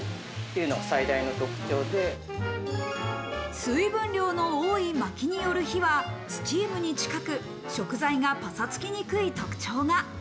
水分量の多い薪による火は、スチームに近く、食材がパサつきにくい特徴が。